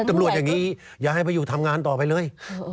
ตำรวจอย่างนี้อย่าให้ไปอยู่ทำงานต่อไปเลย